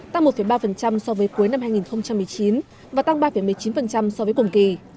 tăng một ba so với cuối năm hai nghìn một mươi chín và tăng ba một mươi chín so với cùng kỳ